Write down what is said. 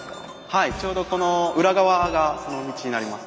はいちょうどこの裏側がその道になります。